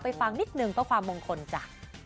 ไปฟังนิดนึงต้องฟังมงคลจ่ะ